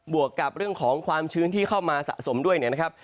วกกับเรื่องของความชื้นที่เข้ามาสะสมด้วยเนี่ยนะครับ